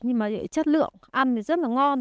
nhưng mà chất lượng ăn thì rất là ngon